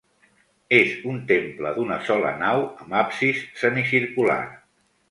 És un temple d'una sola nau, amb absis semicircular.